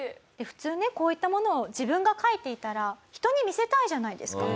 普通ねこういったものを自分が描いていたら人に見せたいじゃないですか。